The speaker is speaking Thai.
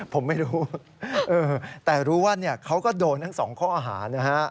ผมไม่รู้แต่รู้ว่าเขาก็โดนทั้งสองข้อหานะฮะ